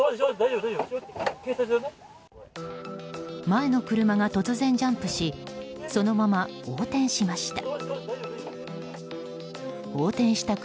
前の車が突然ジャンプしそのまま横転しました。